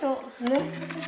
ねっ。